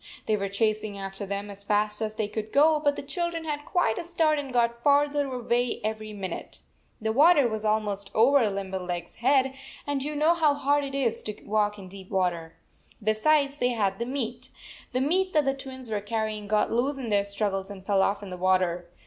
They were chasing after them as fast as they could go, but the children had 86 quite a start and got farther away every min ute. The water was almost over Limber leg s head, and you know how hard it is to walk in deep water. Besides, they had the meat. The meat that the Twins were carry ing got loose in their struggles and fell off in the water.